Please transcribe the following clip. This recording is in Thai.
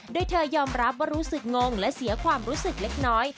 โดยเธอยอมรับว่ารู้สึกงงและเสียความรู้สึกเล็กน้อย